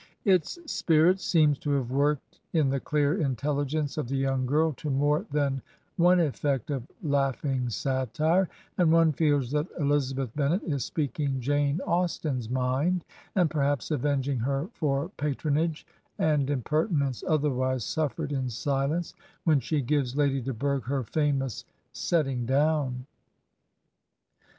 Its spirit seems to have worked in the clear intelligence of the young girl to more than one effect of laughing satire, and one feels that Elizabeth Bennet is speaking Jane Austen's mind, and perhaps avenging her for patronage and impertinence otherwise suffered in si lence, when she gives Lady de Burgh her famous set ting down.